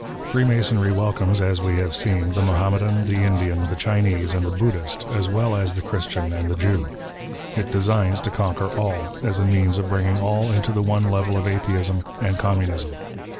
Freemasonry welcomes, as we have seen, the Mahommedan, the Indian, the Chinese, and the Budhist, as well as the Christian and the Jew. It designs to conquer all, as a means of bringing all into the one level of Atheism and Communism.